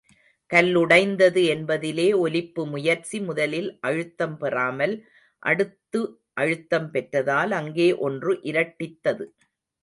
கல்லுடைந்தது என்பதிலே, ஒலிப்பு முயற்சி முதலில் அழுத்தம் பெறாமல் அடுத்து அழுத்தம் பெற்றதால் அங்கே ஒன்று இரட்டித்தது.